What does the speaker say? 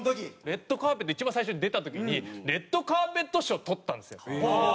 『レッドカーペット』一番最初に出た時にレッドカーペット賞をとったんですよ。